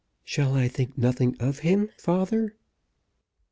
"Shall I think nothing of him, father?"